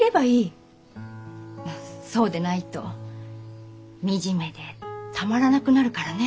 そうでないと惨めでたまらなくなるからね。